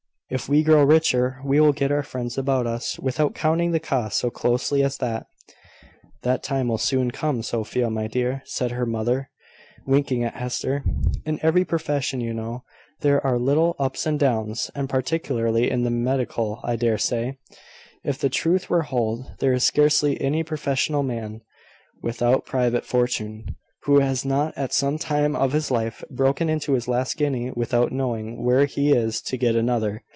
If we grow richer, we will get our friends about us, without counting the cost so closely as that." "That time will soon come, Sophia, my dear," said her mother, winking at Hester. "In every profession, you know, there are little ups and downs, and particularly in the medical. I dare say, if the truth were told, there is scarcely any professional man, without private fortune, who has not, at some time of his life, broken into his last guinea without knowing where he is to get another.